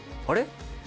あれ？